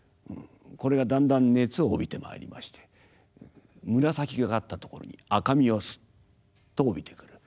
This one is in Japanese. これがだんだん熱を帯びてまいりまして紫がかったところに赤みをスッと帯びてくる。